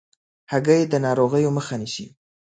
هګۍ د ناروغیو مخه نیسي.